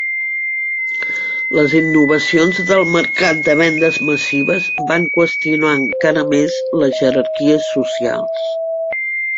Les innovacions del mercat de vendes massives van qüestionar encara més les jerarquies socials.